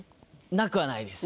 なくはないです。